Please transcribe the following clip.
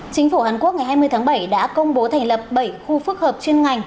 chính phủ hàn quốc ngày hai mươi tháng bảy đã công bố thành lập bảy khu phức hợp chuyên ngành